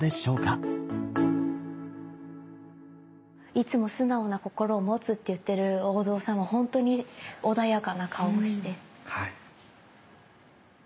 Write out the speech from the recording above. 「いつも、すなおな心を持つ」って言ってるお像さんはほんとに穏やかな顔をして。